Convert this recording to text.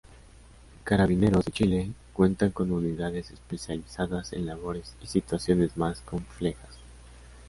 Carabineros de Chile cuenta con unidades especializadas en labores y situaciones más complejas.